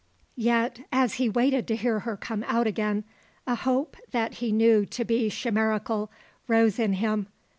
Yet, as he waited to hear her come out again, a hope that he knew to be chimerical rose in him.